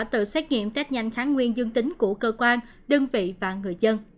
từ xét nghiệm tết nhanh kháng nguyên dương tính của cơ quan đơn vị và người dân